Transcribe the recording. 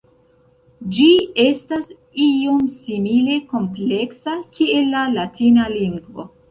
Ĝi estas iom simile kompleksa kiel la latina lingvo.